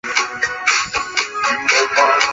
次年分配到青岛任助理司铎。